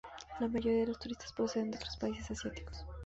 La mayoría de los turistas proceden de otros países asiáticos.